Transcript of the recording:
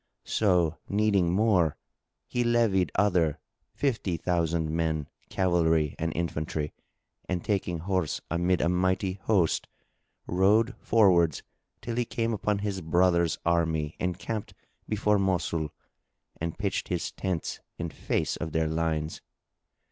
[FN#2] So, needing more, he levied other fifty thousand men, cavalry and infantry, and taking horse amid a mighty host, rode forwards, till he came upon his brother's army encamped before Mosul and pitched his tents in face of their lines.